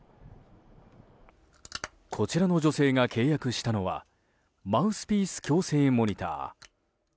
こちらの女性が契約したのはマウスピース矯正モニター。